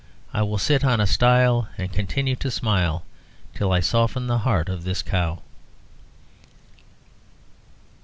I will sit on a stile and continue to smile Till I soften the heart of this cow.'"